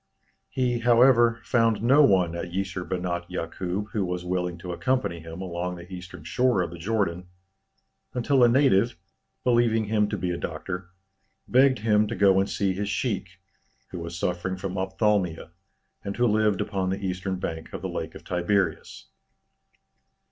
He, however, found no one at Jisr Benat Yakûb who was willing to accompany him along the eastern shore of the Jordan, until a native, believing him to be a doctor, begged him to go and see his sheik, who was suffering from ophthalmia, and who lived upon the eastern bank of the Lake of Tiberias.